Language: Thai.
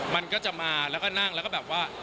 มันก็จะมาแล้วก็นั่งแล้วก็แบบว่า